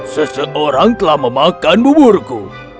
seseorang telah memakan buburku